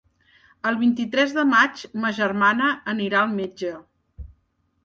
El vint-i-tres de maig ma germana anirà al metge.